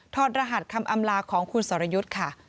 อดรหัสคำอำลาของคุณสรยุทธ์ค่ะ